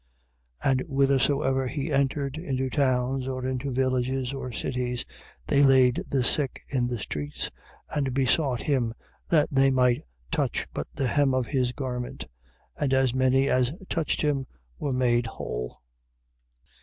6:56. And whithersoever he entered, into towns or into villages or cities, they laid the sick in the streets, and besought him that they might touch but the hem of his garment: and as many as touched him were made whole.